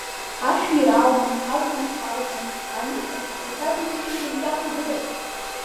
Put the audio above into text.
Ашәира аума, агәнаҳа аума, аныха уҳәа даусы иара итәала идырып.